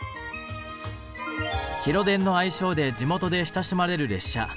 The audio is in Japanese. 「広電」の愛称で地元で親しまれる列車。